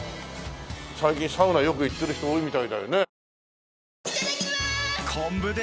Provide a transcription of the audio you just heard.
最近サウナよく行ってる人多いみたいだよね。